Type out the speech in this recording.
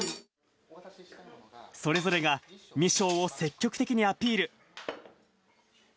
それぞれがミショーを積極的にアピール。